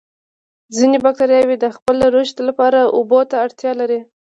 ځینې باکتریاوې د خپل رشد لپاره اوبو ته اړتیا لري.